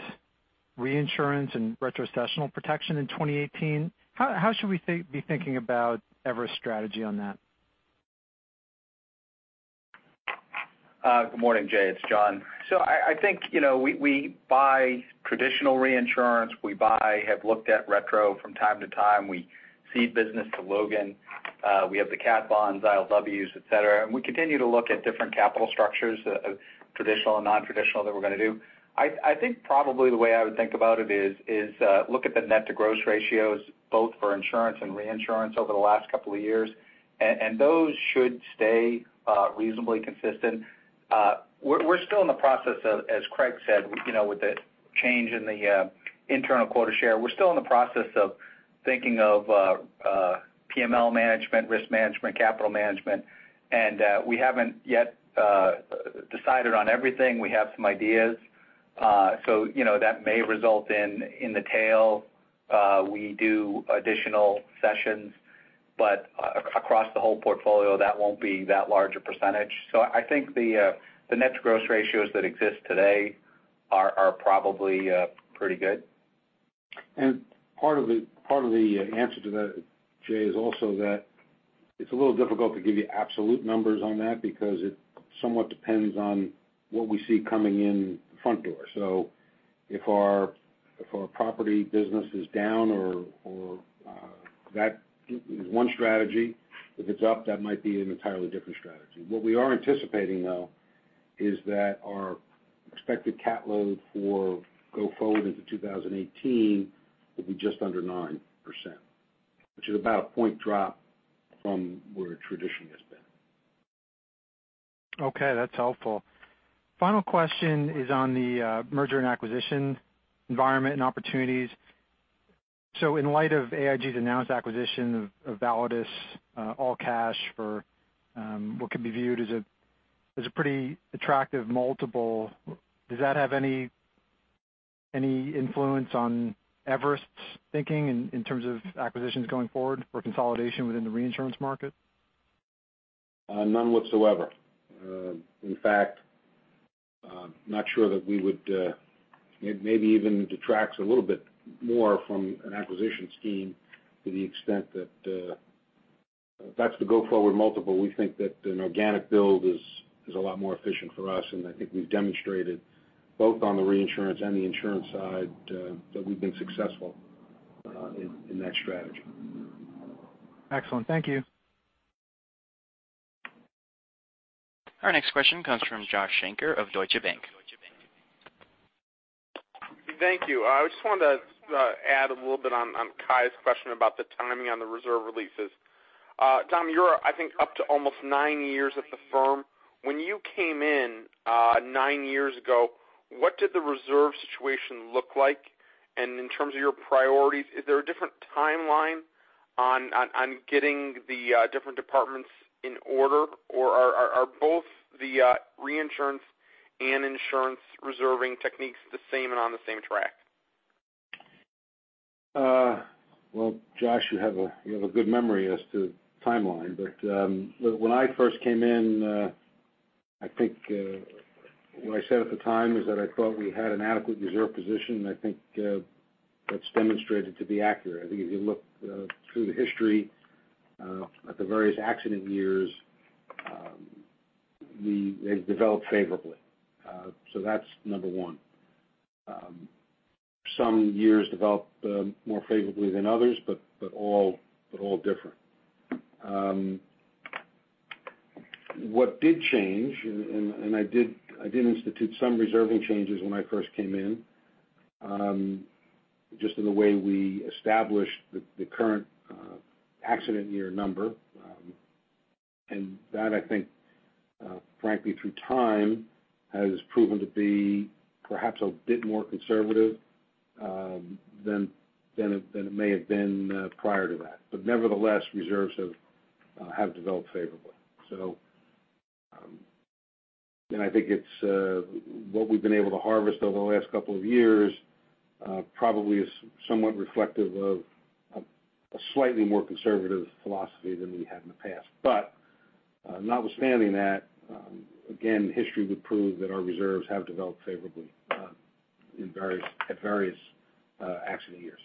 reinsurance and retrocessional protection in 2018, how should we be thinking about Everest strategy on that? Good morning, Jay. It's John. I think we buy traditional reinsurance. We buy, have looked at retro from time to time. We cede business to Logan. We have the cat bonds, ILWs, et cetera, and we continue to look at different capital structures of traditional and non-traditional that we're going to do. I think probably the way I would think about it is look at the net to gross ratios, both for insurance and reinsurance over the last couple of years, and those should stay reasonably consistent. We're still in the process of, as Craig said, with the change in the internal quota share, we're still in the process of thinking of PML management, risk management, capital management, and we haven't yet decided on everything. We have some ideas. That may result in the tail. We do additional sessions, but across the whole portfolio, that won't be that large a percentage. I think the net to gross ratios that exist today are probably pretty good. Part of the answer to that, Jay, is also that it's a little difficult to give you absolute numbers on that because it somewhat depends on what we see coming in the front door. If our property business is down or that is one strategy, if it's up, that might be an entirely different strategy. What we are anticipating, though, is that our expected cat load for go forward into 2018 will be just under 9%. Which is about a point drop from where traditionally it's been. That's helpful. Final question is on the merger and acquisition environment and opportunities. In light of AIG's announced acquisition of Validus, all cash for what could be viewed as a pretty attractive multiple, does that have any influence on Everest's thinking in terms of acquisitions going forward for consolidation within the reinsurance market? None whatsoever. In fact, not sure that maybe even detracts a little bit more from an acquisition scheme to the extent that if that's the go-forward multiple, we think that an organic build is a lot more efficient for us. I think we've demonstrated both on the reinsurance and the insurance side, that we've been successful in that strategy. Excellent. Thank you. Our next question comes from Josh Shanker of Deutsche Bank. Thank you. I just wanted to add a little bit on Kai's question about the timing on the reserve releases. Dominic, you're, I think, up to almost nine years at the firm. When you came in nine years ago, what did the reserve situation look like? In terms of your priorities, is there a different timeline on getting the different departments in order, or are both the reinsurance and insurance reserving techniques the same and on the same track? Well, Josh, you have a good memory as to timeline, but when I first came in, I think what I said at the time was that I thought we had an adequate reserve position. I think that's demonstrated to be accurate. I think if you look through the history at the various accident years, they've developed favorably. That's number 1. Some years developed more favorably than others, but all different. What did change, and I did institute some reserving changes when I first came in, just in the way we established the current accident year number. That, I think, frankly, through time, has proven to be perhaps a bit more conservative than it may have been prior to that. Nevertheless, reserves have developed favorably. I think what we've been able to harvest over the last couple of years probably is somewhat reflective of a slightly more conservative philosophy than we had in the past. Notwithstanding that, again, history would prove that our reserves have developed favorably at various accident years.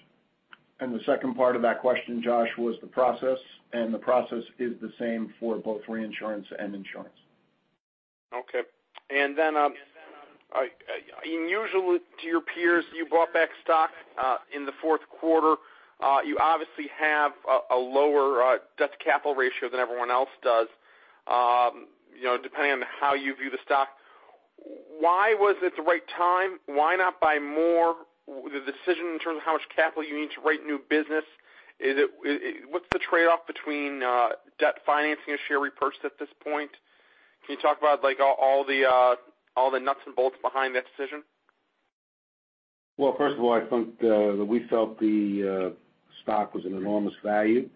The second part of that question, Josh, was the process, and the process is the same for both reinsurance and insurance. Okay. Unusually to your peers, you bought back stock in the fourth quarter. You obviously have a lower debt to capital ratio than everyone else does, depending on how you view the stock. Why was it the right time? Why not buy more? The decision in terms of how much capital you need to write new business, what's the trade-off between debt financing and share repurchase at this point? Can you talk about all the nuts and bolts behind that decision? Well, first of all, I think that we felt the stock was an enormous value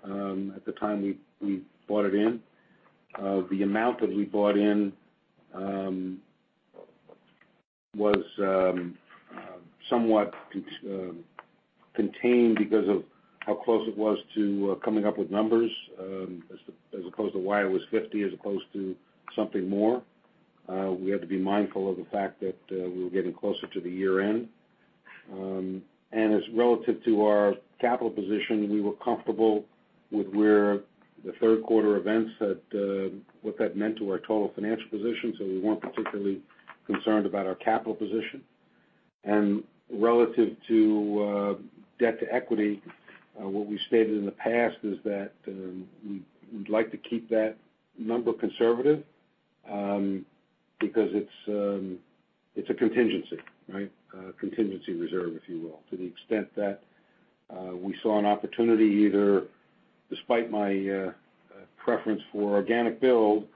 at the time we bought it in. The amount that we bought in was somewhat contained because of how close it was to coming up with numbers, as opposed to why it was 50 as opposed to something more. We had to be mindful of the fact that we were getting closer to the year-end. As relative to our capital position, we were comfortable with where the third quarter events what that meant to our total financial position, so we weren't particularly concerned about our capital position. Relative to debt to equity, what we stated in the past is that we'd like to keep that number conservative because it's a contingency. A contingency reserve, if you will. To the extent that we saw an opportunity either despite my preference for organic build,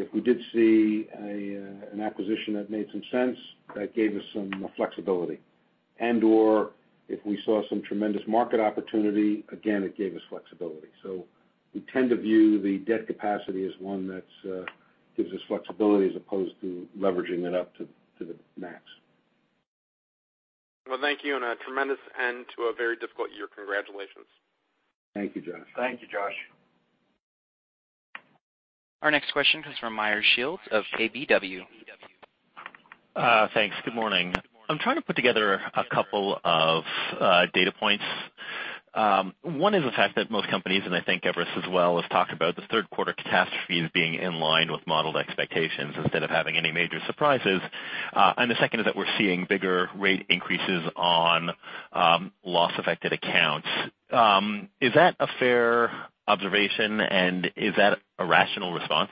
if we did see an acquisition that made some sense, that gave us some flexibility, and/or if we saw some tremendous market opportunity, again, it gave us flexibility. We tend to view the debt capacity as one that gives us flexibility as opposed to leveraging it up to the max. Well, thank you, a tremendous end to a very difficult year. Congratulations. Thank you, Josh. Thank you, Josh. Our next question comes from Meyer Shields of KBW. Thanks. Good morning. I'm trying to put together a couple of data points. One is the fact that most companies, and I think Everest as well, have talked about the third quarter catastrophes being in line with modeled expectations instead of having any major surprises. The second is that we're seeing bigger rate increases on loss-affected accounts. Is that a fair observation, and is that a rational response?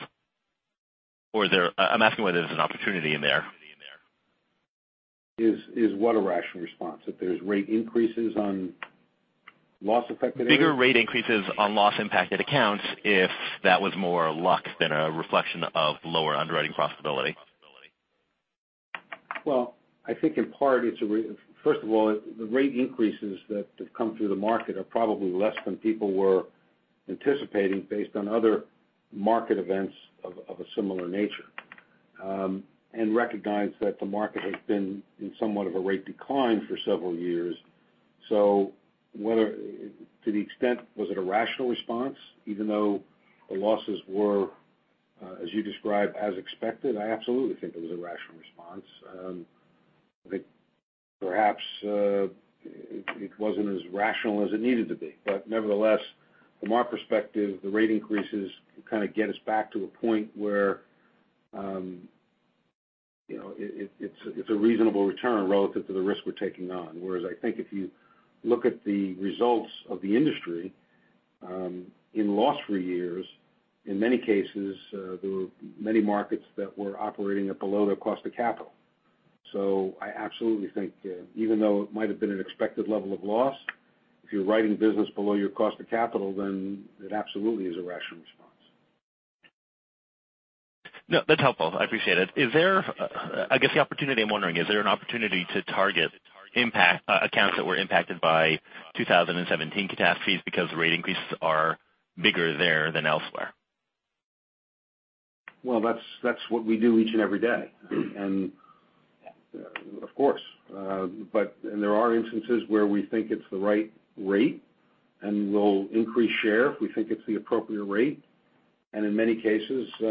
I'm asking whether there's an opportunity in there. Is what a rational response? If there's rate increases on loss-affected areas? Bigger rate increases on loss-impacted accounts if that was more luck than a reflection of lower underwriting profitability. Well, I think in part, first of all, the rate increases that have come through the market are probably less than people were anticipating based on other market events of a similar nature. Recognize that the market has been in somewhat of a rate decline for several years. To the extent, was it a rational response, even though the losses were, as you describe, as expected? I absolutely think it was a rational response. I think perhaps it wasn't as rational as it needed to be. Nevertheless, from our perspective, the rate increases kind of get us back to a point where it's a reasonable return relative to the risk we're taking on. Whereas I think if you look at the results of the industry, in loss for years, in many cases, there were many markets that were operating at below their cost of capital. I absolutely think even though it might have been an expected level of loss, if you're writing business below your cost of capital, then it absolutely is a rational response. No, that's helpful. I appreciate it. I guess the opportunity I'm wondering, is there an opportunity to target accounts that were impacted by 2017 catastrophes because the rate increases are bigger there than elsewhere? Well, that's what we do each and every day. Of course, there are instances where we think it's the right rate, and we'll increase share if we think it's the appropriate rate. In many cases, as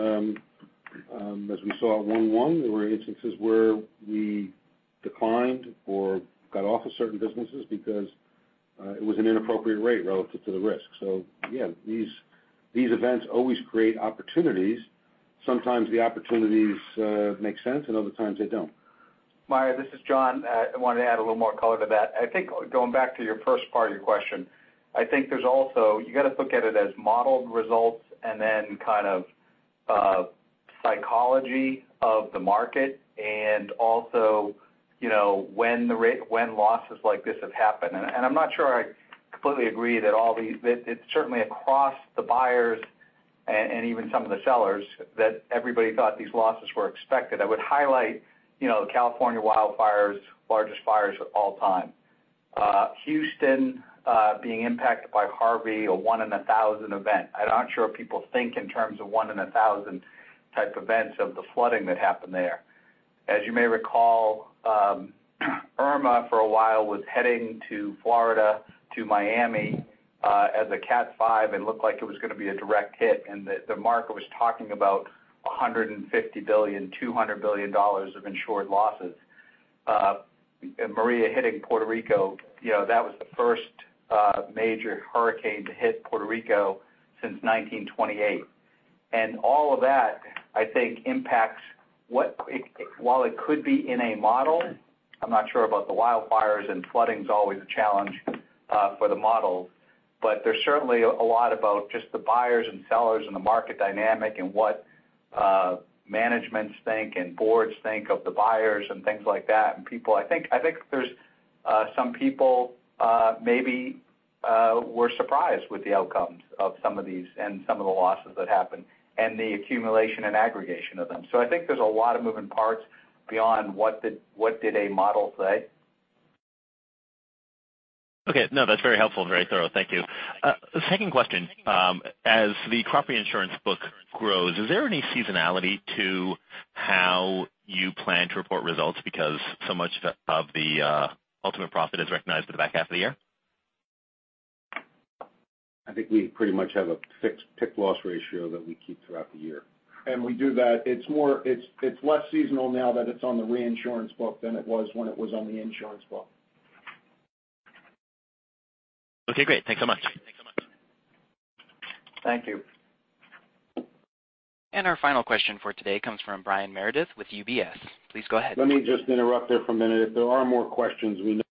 we saw at 1/1, there were instances where we declined or got off of certain businesses because it was an inappropriate rate relative to the risk. Yeah, these events always create opportunities. Sometimes the opportunities make sense, and other times they don't. Meyer, this is John. I wanted to add a little more color to that. I think going back to your first part of your question, I think there's also, you got to look at it as modeled results and then kind of psychology of the market and also when losses like this have happened. I'm not sure I completely agree that all these. It's certainly across the buyers and even some of the sellers that everybody thought these losses were expected. I would highlight the California wildfires. Largest fires of all time. Houston being impacted by Harvey, a 1 in 1,000 event. I'm not sure if people think in terms of 1 in 1,000 type events of the flooding that happened there. As you may recall, Irma for a while was heading to Florida, to Miami as a Cat 5. It looked like it was going to be a direct hit, the market was talking about $150 billion, $200 billion of insured losses. Maria hitting Puerto Rico, that was the first major hurricane to hit Puerto Rico since 1928. All of that, I think, impacts while it could be in a model, I'm not sure about the wildfires, and flooding's always a challenge for the models, but there's certainly a lot about just the buyers and sellers and the market dynamic and what managements think and boards think of the buyers and things like that and people. I think there's some people maybe were surprised with the outcomes of some of these and some of the losses that happened and the accumulation and aggregation of them. I think there's a lot of moving parts beyond what did a model say. No, that's very helpful and very thorough. Thank you. Second question. As the crop insurance book grows, is there any seasonality to how you plan to report results because so much of the ultimate profit is recognized for the back half of the year? I think we pretty much have a fixed loss ratio that we keep throughout the year. We do that. It's less seasonal now that it's on the reinsurance book than it was when it was on the insurance book. Great. Thanks so much. Thank you. Our final question for today comes from Brian Meredith with UBS. Please go ahead. Let me just interrupt there for a minute. If there are more questions, we know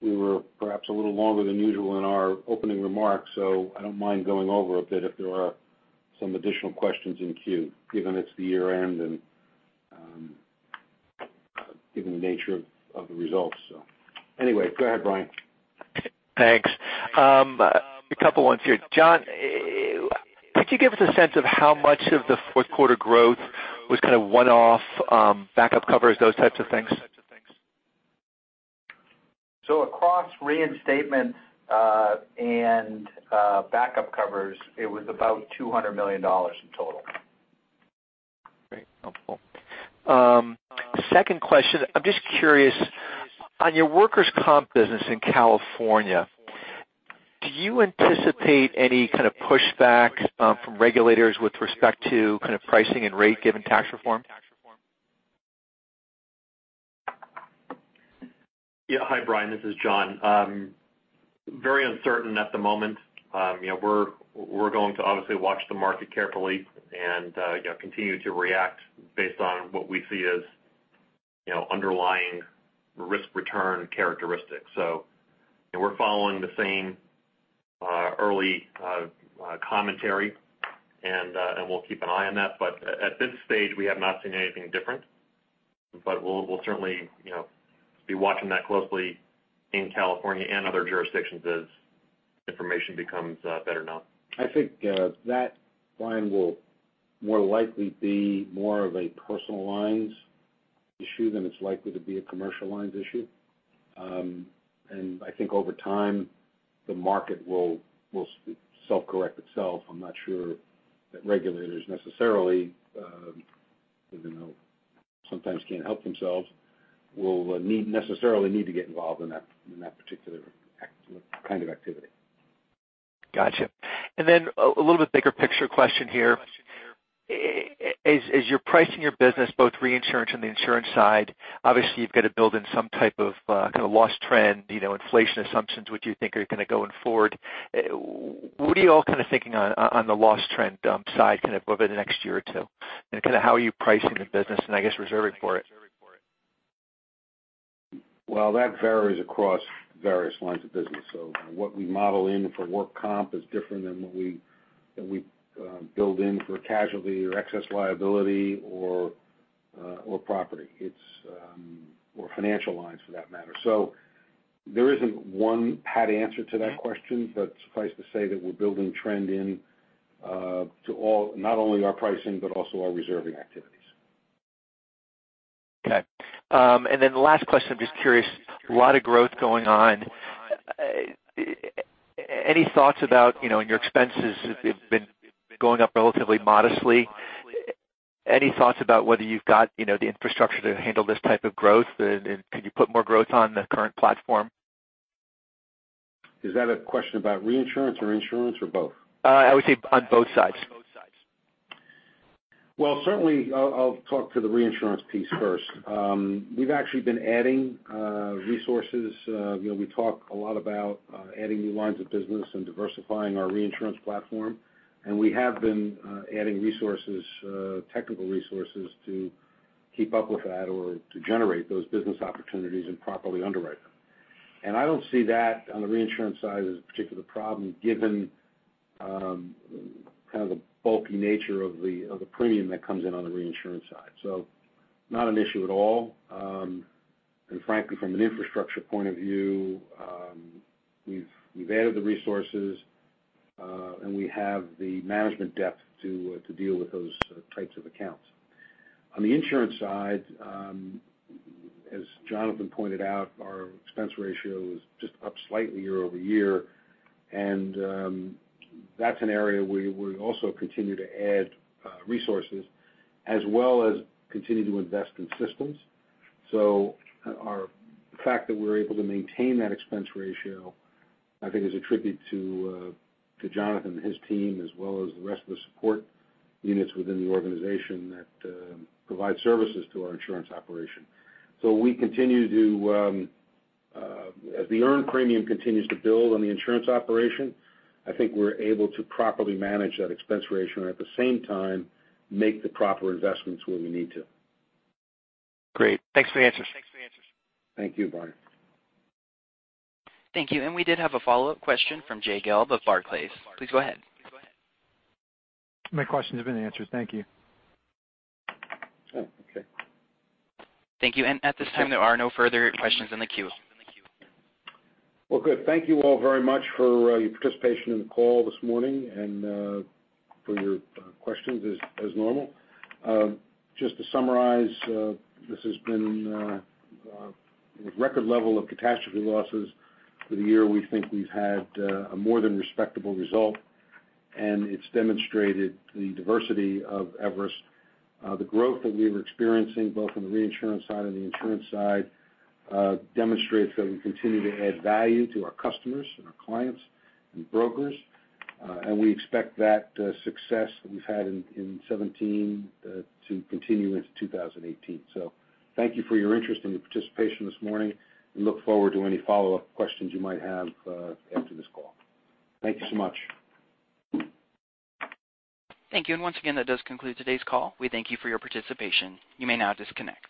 we were perhaps a little longer than usual in our opening remarks, I don't mind going over a bit if there are some additional questions in queue, given it's the year-end and given the nature of the results. Anyway, go ahead, Brian. Thanks. A couple ones here. John, could you give us a sense of how much of the fourth quarter growth was kind of one-off backup covers, those types of things? Across reinstatement and backup covers, it was about $200 million in total. Great. Helpful. Second question, I'm just curious, on your workers' comp business in California, do you anticipate any kind of pushback from regulators with respect to kind of pricing and rate given tax reform? Yeah. Hi, Brian. This is John. Very uncertain at the moment. We're going to obviously watch the market carefully and continue to react based on what we see as underlying risk-return characteristics. We're following the same Early commentary, and we'll keep an eye on that. At this stage, we have not seen anything different. We'll certainly be watching that closely in California and other jurisdictions as information becomes better known. I think that line will more likely be more of a personal lines issue than it's likely to be a commercial lines issue. I think over time, the market will self-correct itself. I'm not sure that regulators necessarily, even though sometimes can't help themselves, will necessarily need to get involved in that particular kind of activity. Got you. A little bit bigger picture question here. As you're pricing your business, both reinsurance and the insurance side, obviously you've got to build in some type of kind of loss trend, inflation assumptions, what you think are going to go in forward. What are you all kind of thinking on the loss trend side kind of over the next year or two? How are you pricing the business and I guess reserving for it? Well, that varies across various lines of business. What we model in for work comp is different than what we build in for casualty or excess liability or property, or financial lines for that matter. There isn't one pat answer to that question, but suffice to say that we're building trend in to not only our pricing, but also our reserving activities. Okay. The last question, I'm just curious, a lot of growth going on. Your expenses have been going up relatively modestly. Any thoughts about whether you've got the infrastructure to handle this type of growth? Can you put more growth on the current platform? Is that a question about reinsurance or insurance or both? I would say on both sides. Well, certainly I'll talk to the reinsurance piece first. We've actually been adding resources. We talk a lot about adding new lines of business and diversifying our reinsurance platform, and we have been adding resources, technical resources, to keep up with that or to generate those business opportunities and properly underwrite them. I don't see that on the reinsurance side as a particular problem, given kind of the bulky nature of the premium that comes in on the reinsurance side. Not an issue at all. Frankly, from an infrastructure point of view, we've added the resources, and we have the management depth to deal with those types of accounts. On the insurance side, as Jonathan pointed out, our expense ratio is just up slightly year-over-year, and that's an area where we also continue to add resources as well as continue to invest in systems. Our fact that we're able to maintain that expense ratio, I think is a tribute to Jonathan and his team, as well as the rest of the support units within the organization that provide services to our insurance operation. As the earned premium continues to build on the insurance operation, I think we're able to properly manage that expense ratio and at the same time, make the proper investments where we need to. Great. Thanks for the answers. Thank you, Brian. Thank you. We did have a follow-up question from Jay Gelb of Barclays. Please go ahead. My questions have been answered. Thank you. Oh, okay. Thank you. At this time, there are no further questions in the queue. Well, good. Thank you all very much for your participation in the call this morning and for your questions as normal. Just to summarize, this has been record level of catastrophe losses for the year. We think we've had a more than respectable result. It's demonstrated the diversity of Everest. The growth that we're experiencing, both on the reinsurance side and the insurance side, demonstrates that we continue to add value to our customers and our clients and brokers. We expect that success that we've had in 2017 to continue into 2018. Thank you for your interest and your participation this morning, and look forward to any follow-up questions you might have after this call. Thank you so much. Thank you. Once again, that does conclude today's call. We thank you for your participation. You may now disconnect.